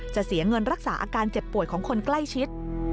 เสียเงินรักษาอาการเจ็บป่วยของคนใกล้ชิด